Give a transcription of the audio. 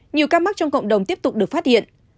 nhiều ca mắc trong cộng đồng tiếp tục được phát hiện